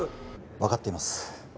分かっています